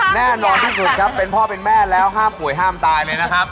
แน่นอนที่สุดครับเป็นพ่อเป็นแม่แล้วห้ามป่วยห้ามตายเลยนะครับ